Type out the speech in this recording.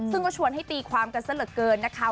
ซึ่งก็ชวนให้ตีความกันซะเหลือเกินนะคะ